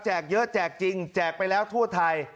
เยอะแจกจริงแจกไปแล้วทั่วไทย